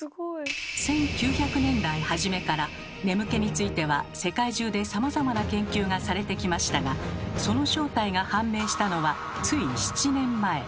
１９００年代はじめから眠気については世界中でさまざまな研究がされてきましたがその正体が判明したのはつい７年前。